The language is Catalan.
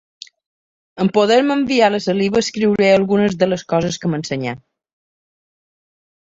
En poder-me enviar la saliva escriuré algunes de les coses que m'ensenyà.